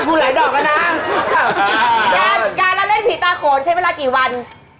การแล้วเล่นผีตาโขนใช้เวลากี่วัน